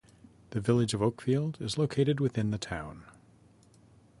The Village of Oakfield is located within the town.